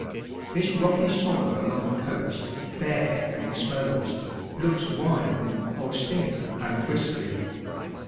This rocky soil along the coast, bare and exposed, looks wild, austere, and bristling.